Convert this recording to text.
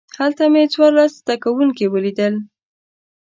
هلته مې څوارلس زده کوونکي ولیدل.